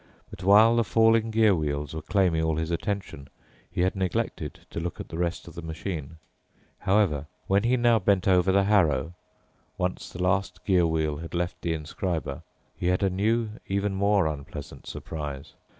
But while the falling gear wheels were claiming all his attention, he had neglected to look at the rest of the machine. However, when he now bent over the harrow, once the last gear wheel had left the inscriber, he had a new, even more unpleasant surprise.